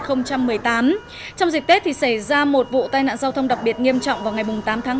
trong dịch tết thì xảy ra một vụ tai nạn giao thông đặc biệt nghiêm trọng vào ngày tám tháng tám